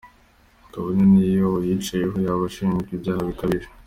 Kabone n’iyo uyicayeho yaba ashinjwa ibyaha bikabije.